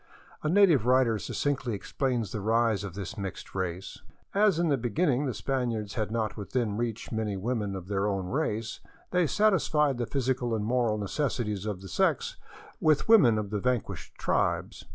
A native writer succinctly explains the rise of this mixed race :" As in the beginning the Spaniards had not within reach many women of their own race, they satisfied the physical and moral necessities of the sex with women of the vanquished tribes.